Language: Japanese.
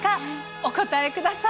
お答えください。